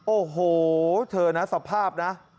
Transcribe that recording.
โอ้โหเธอนะสภาพนะ